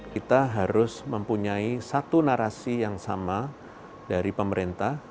kita harus mempunyai satu narasi yang sama dari pemerintah